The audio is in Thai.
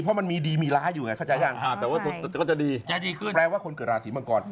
เพราะมันมีดีมีร้ายอยู่ไงเข้าใจยังแต่ว่าก็จะดีใจดีขึ้นแปลว่าคนเกิดราศีมังกร